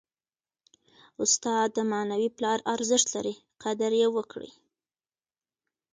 استاد د معنوي پلار ارزښت لري. قدر ئې وکړئ!